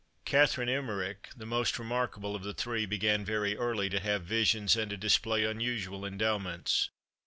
Catherine Emmerich, the most remarkable of the three, began very early to have visions, and to display unusual endowments.